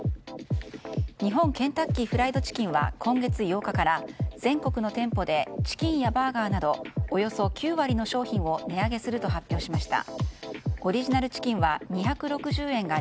日本ケンタッキー・フライド・チキンは今月８日から全国の店舗でチキンやバーガーなどおよそ９割の商品を値上げすると発表しました。